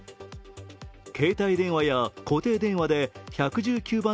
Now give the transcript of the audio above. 携帯電話や固定電話で１１９番